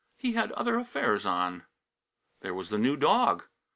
He had other affairs on. There was the new dog.